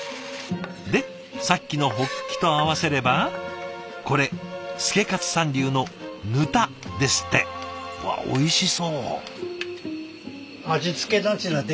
でさっきのホッキと合わせればこれ祐勝さん流のぬたですって。わっおいしそう。